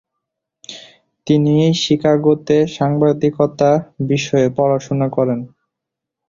তিনি শিকাগোতে সাংবাদিকতা বিষয়ে পড়াশোনা শুরু করেন।